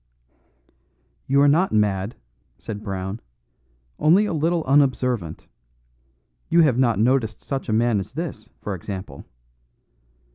"You are not mad," said Brown, "only a little unobservant. You have not noticed such a man as this, for example."